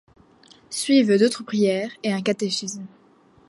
Suivent d’autres prières et un catéchisme.